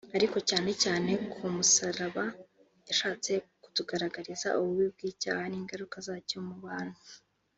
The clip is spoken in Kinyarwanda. Ariko cyane cyane ku musalaba yashatse kutugaragariza ububi bw’icyaha n’ingaruka zacyo mu bantu